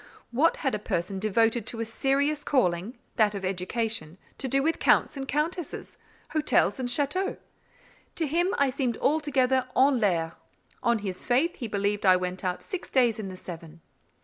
What had a person devoted to a serious calling, that of education, to do with Counts and Countesses, hotels and châteaux? To him, I seemed altogether 'en l'air.' On his faith, he believed I went out six days in the seven."